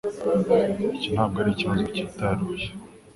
Iki ntabwo ari ikibazo cyitaruye